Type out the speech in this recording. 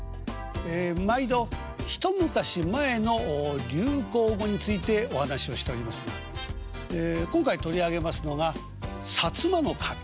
ええ毎度一昔前の流行語についてお話をしておりますが今回取り上げますのが「摩守」。